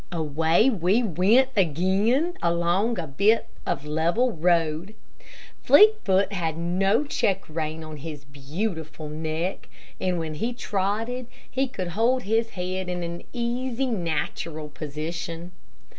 Away we went again along a bit of level road. Fleetfoot had no check rein on his beautiful neck, and when he trotted, he could hold his head in an easy, natural position.